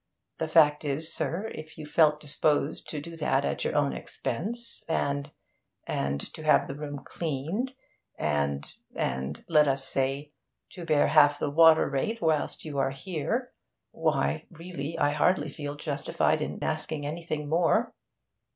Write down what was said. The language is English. The fact is, sir, if you felt disposed to do that at your own expense, and and to have the room cleaned, and and, let us say, to bear half the water rate whilst you are here, why, really, I hardly feel justified in asking anything more.'